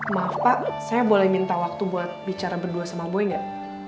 maaf pak saya boleh minta waktu buat bicara berdua sama boy nggak